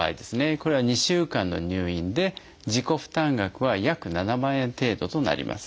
これは２週間の入院で自己負担額は約７万円程度となります。